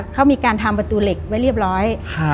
เขามีการทำประตูเหล็กไว้เรียบร้อย